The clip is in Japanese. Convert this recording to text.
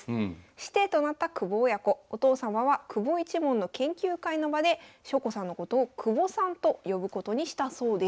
師弟となった久保親子お父様は久保一門の研究会の場で翔子さんのことを久保さんと呼ぶことにしたそうです。